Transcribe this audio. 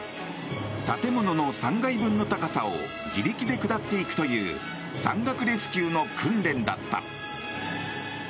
建物の３階分の高さを自力で下っていくという山岳レスキューの訓練だった。